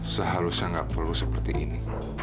seharusnya nggak perlu seperti ini